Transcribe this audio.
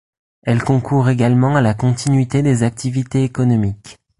Elle concourt également à la continuité des activités économiques.